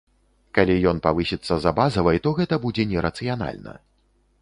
Калі ён павысіцца за базавай, то гэта будзе не рацыянальна.